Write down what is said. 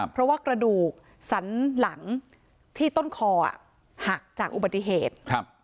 เพราะว่ากระดูกสันหลังที่ต้นคอหักจากอุบัติเหตุ